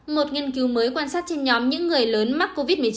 một nghiên cứu mới quan sát trên nhóm những người lớn mắc covid một mươi chín